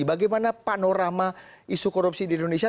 bagaimana panorama isu korupsi di indonesia